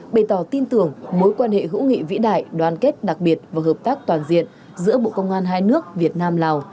bày tỏ tin tưởng mối quan hệ hữu nghị vĩ đại đoàn kết đặc biệt và hợp tác toàn diện giữa bộ công an hai nước việt nam lào